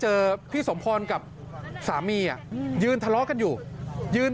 แผลที่เห็นเนี่ยแค่เธอเผลอไปเดินชนเสาสาธาริมทางก็เท่านั้นเอง